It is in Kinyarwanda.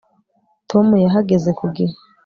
tom yahageze ku gihe